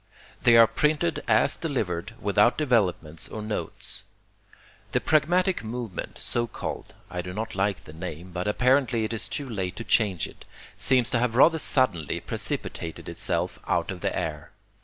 They are printed as delivered, without developments or notes. The pragmatic movement, so called I do not like the name, but apparently it is too late to change it seems to have rather suddenly precipitated itself out of the air.